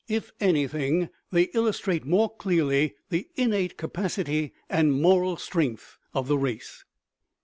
If anything, they illustrate more clearly the innate capacity and moral strength of the race.